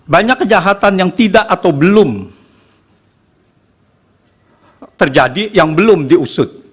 banyak kejahatan yang tidak atau belum terjadi yang belum diusut